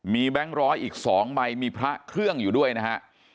มีแบงค์ร้อยอีก๒ใบมีพระเครื่องอยู่ด้วยนะฮะ